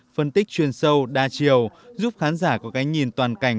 phân tích chuyên sâu đa chiều giúp khán giả có cái nhìn toàn cảnh